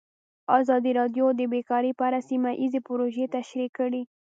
ازادي راډیو د بیکاري په اړه سیمه ییزې پروژې تشریح کړې.